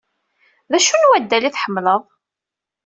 D acu n waddal ay tḥemmleḍ?